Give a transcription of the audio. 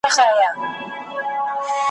تباهي به وي په برخه د مرغانو ,